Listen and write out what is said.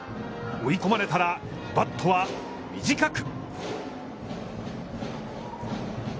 追い込まれたら、バットは短く。